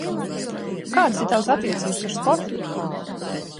Kādas ir Tavas attiecības ar sportu?